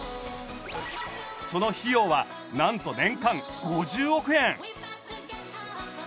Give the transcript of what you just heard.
その費用はなんと年間５０億円！